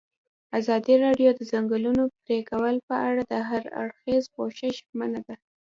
ازادي راډیو د د ځنګلونو پرېکول په اړه د هر اړخیز پوښښ ژمنه کړې.